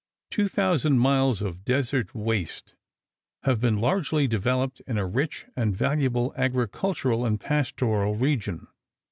Two thousand miles of desert waste have been largely developed in a rich and valuable agricultural and pastoral region.